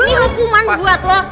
ini hukuman buat lo